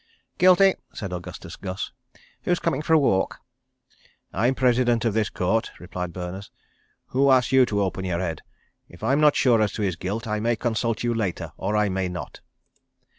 "Guilty," said Augustus Gus. "Who's coming for a walk?" "I'm President of this Court," replied Berners. "Who asked you to open your head? If I'm not sure as to his guilt, I may consult you later. Or I may not."